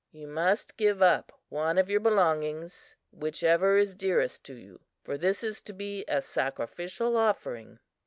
"You must give up one of your belongings whichever is dearest to you for this is to be a sacrificial offering."